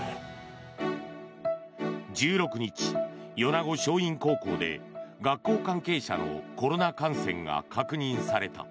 １６日、米子松蔭高校で学校関係者のコロナ感染が確認された。